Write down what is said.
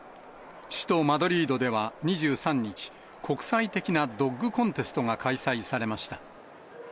首都マドリードでは、２３日、国際的なドッグコンテストが開催されました。